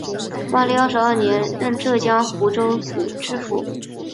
万历二十二年任浙江湖州府知府。